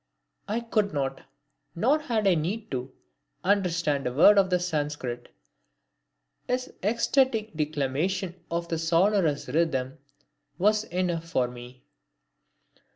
I could not, nor had I the need to, understand a word of the Sanskrit. His ecstatic declamation of the sonorous rhythm was enough for me.